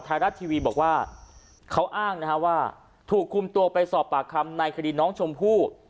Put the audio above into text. ไทยรัฐทีวีบอกว่าเขาอ้างนะฮะว่าถูกคุมตัวไปสอบปากคำในคดีน้องชมพู่